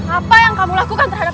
apa yang kamu lakukan terhadap